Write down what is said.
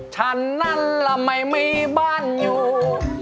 ฉันนั่นล่ะไม่มีบ้านอยู่